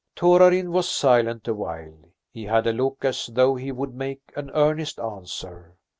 Torarin was silent awhile. He had a look as though he would make an earnest answer.